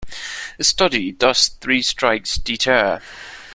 A study, Does Three Strikes Deter?